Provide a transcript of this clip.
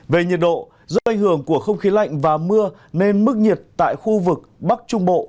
về nhiệt độ do ảnh hưởng của không khí lạnh và mưa nên mức nhiệt tại khu vực bắc trung bộ